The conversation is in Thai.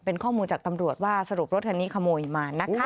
เป็นข้อมูลจากตำรวจว่าสรุปรถคันนี้ขโมยมานะคะ